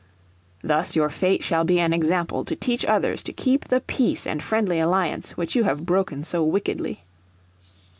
Thus your fate shall be an example to teach others to keep the peace and friendly alliance, which you have broken so wickedly."